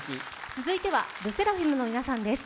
続いてはＬＥＳＳＥＲＡＦＩＭの皆さんです。